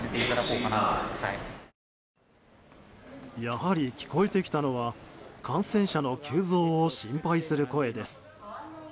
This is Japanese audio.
やはり、聞こえてきたのは感染者の急増を心配する声です。